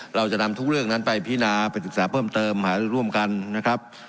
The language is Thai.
เราจะนำทุกเรื่องนั้นไปพินาไปศึกษาเพิ่มเติมหาร่วมกันนะครับ